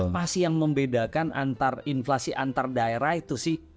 apa sih yang membedakan antar inflasi antar daerah itu sih